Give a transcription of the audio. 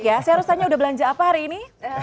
ya saya harus tanya udah belanja apa hari ini